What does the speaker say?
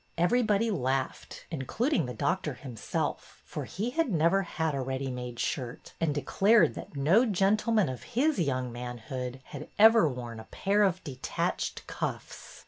Everybody laughed, including the doctor him self, for he had never had a ready made shirt, and declared that no gentleman of his young manhood had ever worn a pair of detached cuffs.